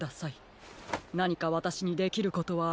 なにかわたしにできることはありますか？